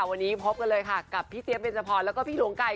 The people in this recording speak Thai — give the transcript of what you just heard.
วันนี้พบกันเลยค่ะกับพี่เจี๊ยเบนจพรแล้วก็พี่หลวงไก่